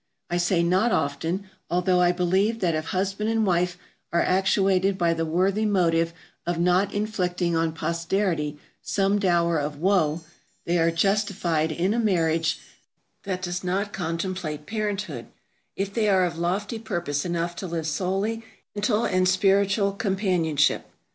I say not often, although I believe that if husband and wife are actuated by the worthy motive of not inflicting on posterity some dower of woe, they are justified in a marriage that does not contemplate parenthood, if they are of lofty purpose enough to live solely in mental and spiritual companionship.